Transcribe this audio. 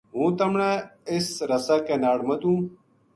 ہوں تمنا اس رسا کے ناڑ مدھوں